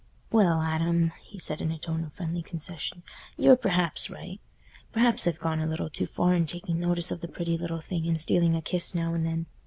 "Well, Adam," he said, in a tone of friendly concession, "you're perhaps right. Perhaps I've gone a little too far in taking notice of the pretty little thing and stealing a kiss now and then.